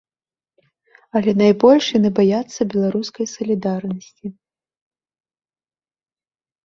Але найбольш яны баяцца беларускай салідарнасці!